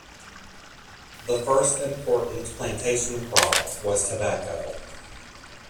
The first important plantation crop was tobacco.